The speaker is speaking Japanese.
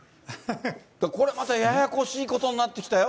これまたややこしいことになってきたよ。